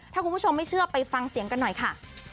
ถ้าคุณผู้ชมไม่เชื่อไปฟังเสียงกันหน่อยค่ะ